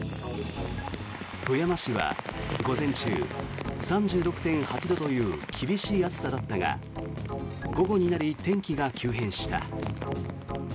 富山市は午前中３６．８度という厳しい暑さだったが午後になり、天気が急変した。